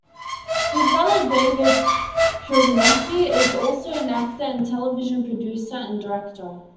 His brother, David Shaughnessy, is also an actor and a television producer and director.